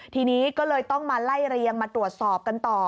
ทีนี้ก็เลยต้องมาไล่เรียงมาตรวจสอบกันต่อ